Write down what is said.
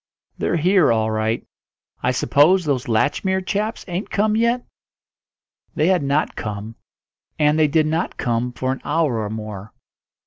"They're here all right. I suppose those Latchmere chaps ain't come yet?" They had not come, and they did not come for an hour or more.